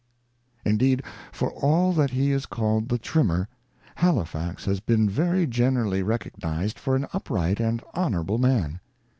Indeed, for all that he is called the Trimmer, Halifax has been very generally recognized for an upright and honour able man.